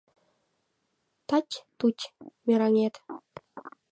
Тать-туть мераҥет